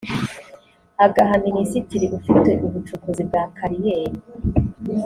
agaha minisitiri ufite ubucukuzi bwa kariyeri